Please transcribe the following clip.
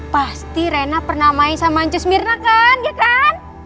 pasti reina pernah main sama ancus myrna kan ya kan